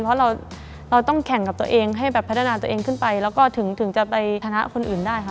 เพราะเราต้องแข่งกับตัวเองให้แบบพัฒนาตัวเองขึ้นไปแล้วก็ถึงจะไปชนะคนอื่นได้ค่ะ